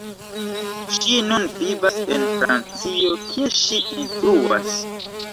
Ŝi nun vivas en Francio kie ŝi instruas.